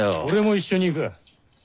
俺も一緒に行く。